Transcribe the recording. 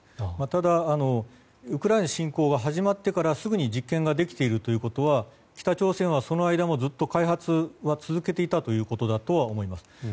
ただ、ウクライナ侵攻が始まってからすぐに実験ができているということは北朝鮮はその間もずっと開発は続けていたということだと思います。